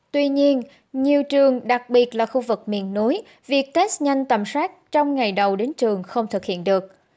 tuy nhiên nhiều trường đặc biệt là khu vực miền núi việc test nhanh tầm soát trong ngày đầu đến trường không thực hiện được